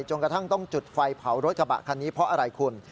จนกระทั่งต้องจุดไฟเผารถกระบะคันนี้เพราะอะไรคุณ